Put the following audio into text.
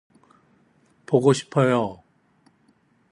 보고 싶어요.